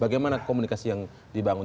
bagaimana komunikasi yang dibangun